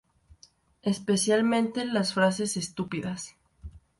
Especialmente las frases "Estúpidas!